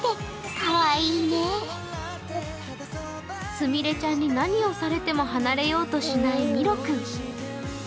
すみれちゃんに何をされても離れようとしない、ミロ君。